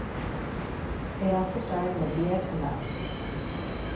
It also starred Madiha Kamel.